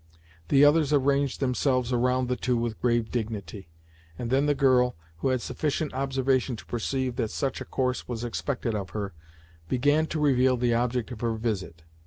The others arranged themselves around the two with grave dignity, and then the girl, who had sufficient observation to perceive that such a course was expected of her, began to reveal the object of her visit.